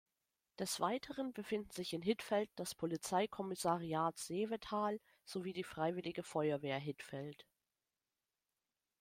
Des Weiteren befinden sich in Hittfeld das Polizeikommissariat Seevetal sowie die Freiwillige Feuerwehr Hittfeld.